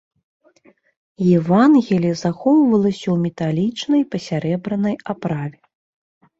Евангелле захоўвалася ў металічнай пасярэбранай аправе.